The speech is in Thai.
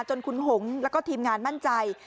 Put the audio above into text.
จนคุณหงแล้วก็ทีมงานมั่นใจ